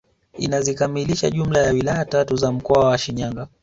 Inazikamilisha jumla ya wilaya tatu za mkoa wa Shinyanga